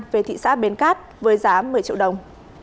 về thị xã bến cát với giá một mươi triệu đồng